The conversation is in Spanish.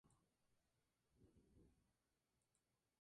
Su brillo es vítreo, perlado.